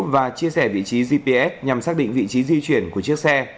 và chia sẻ vị trí gps nhằm xác định vị trí di chuyển của chiếc xe